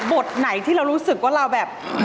บทไหนที่เรารู้สึกว่าเราแบบ